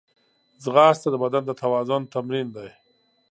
ځغاسته د بدن د توازن تمرین دی